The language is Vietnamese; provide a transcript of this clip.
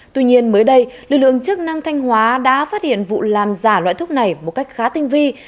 tuy nhiên mới đây lực lượng chức năng thanh hóa đã phát hiện vụ làm giả loại thuốc này một cách khá tinh vi